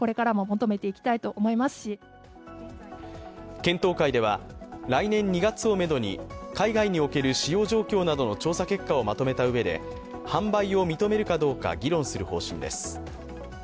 検討会では来年２月をめどに海外における使用状況などの調査結果をまとめたうえで、販売を認めるかどうか議論する方針です。